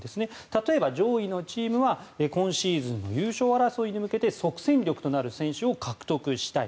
例えば上位のチームは今シーズン優勝争いに向けて即戦力となる選手を獲得したい。